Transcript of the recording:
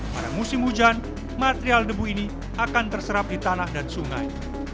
pada musim hujan material debu ini akan terserap di tanah dan sungai